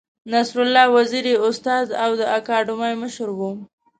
نصرالله وزیر یې استاد او د اکاډمۍ مشر و.